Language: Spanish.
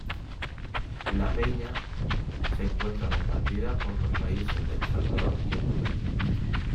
La peña se encuentra compartida por los países de El Salvador y Honduras.